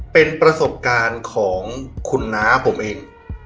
เป็นประสบการณ์ของคุณน้าผมเอง